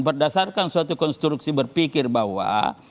berdasarkan suatu konstruksi berpikir bahwa